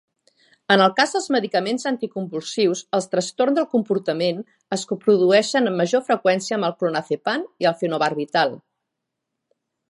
En el cas dels medicaments anticonvulsius, els trastorns del comportament es produeixen amb major freqüència amb el clonazepam i el fenobarbital.